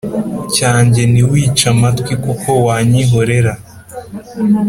Cyanjye ntiwice amatwi kuko wanyihorera